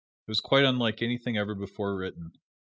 It was quite unlike anything ever before written.